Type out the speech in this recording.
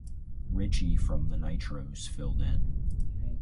Richie from The Nitros filled in.